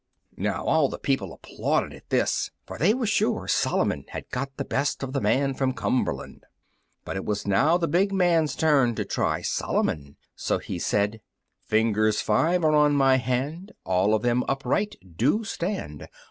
Now all the people applauded at this, for they were sure Solomon had got the best of the man from Cumberland. But it was now the big man's turn to try Solomon, so he said, "Fingers five are on my hand; All of them upright do stand.